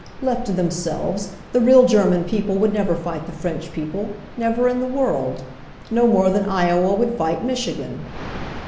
"Left to themselves, the real German people would never fight the French people, never in the world. No more than Iowa would fight Michi gan.